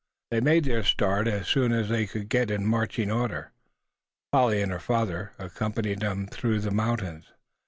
They made the start as soon as they could get in marching order. Polly and her father accompanied them through the mountains.